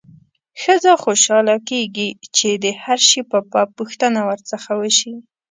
ښځه خوشاله کېږي چې د هر شي په باب پوښتنه ورڅخه وشي.